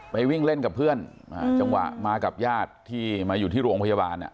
วิ่งเล่นกับเพื่อนจังหวะมากับญาติที่มาอยู่ที่โรงพยาบาล